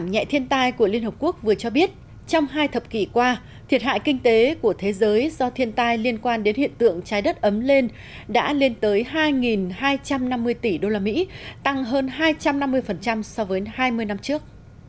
giảm nhẹ thiên tai của liên hợp quốc vừa cho biết trong hai thập kỷ qua thiệt hại kinh tế của thế giới do thiên tai liên quan đến hiện tượng trái đất ấm lên đã lên tới hai hai trăm năm mươi tỷ usd tăng hơn hai trăm năm mươi so với hai mươi năm trước